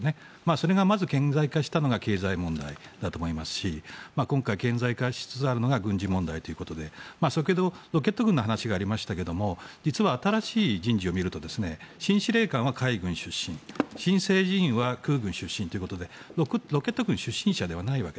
それがまず顕在化したのが経済問題だと思いますし今回顕在化しつつあるのが軍事問題ということで先ほどロケット軍の話がありましたが実は新しい人事を見ると新司令官は海軍出身新政治委員は空軍出身ということでロケット軍出身者ではない。